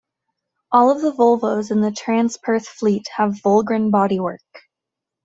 All of the Volvos in the Transperth fleet have Volgren bodywork.